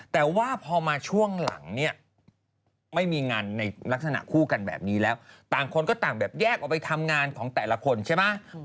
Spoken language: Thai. แต่ว่าพอมาช่วงหลังเนี่ยไม่มีงานในลักษณะคู่กันแบบนี้แล้วต่างคนก็ต่างแบบแยกออกไปทำงานของแต่ละคนใช่ไหม